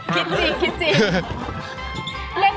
อาจแค่คิดจริงกินจริง